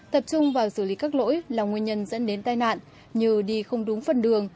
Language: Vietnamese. tập trung vào xử lý các lỗi là nguyên nhân dẫn đến tai nạn như đi không đúng phần đường